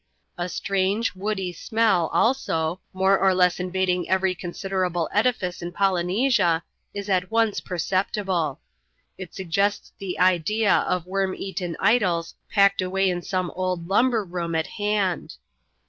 A strange, woody smell, also — more or less per vading every consideral^e edifice in Polynesia — is at once perceptible. It suggests the idea of worm eaten idols packed away in some old lumber room at hand.